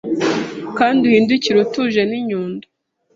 Kandi uhindukire utujeninyundo